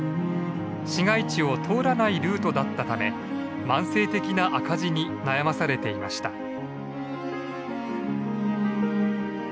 市街地を通らないルートだったため慢性的な赤字に悩まされていました。